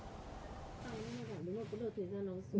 đúng rồi có được thời gian đó